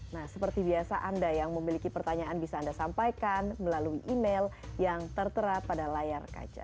nah seperti biasa anda yang memiliki pertanyaan bisa anda sampaikan melalui email yang tertera pada layar kaca